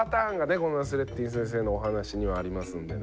このナスレッディン先生のお話にはありますんでね。